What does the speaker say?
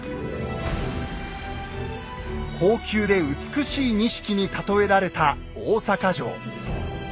高級で美しい錦に例えられた大坂城。